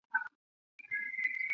端木仁人。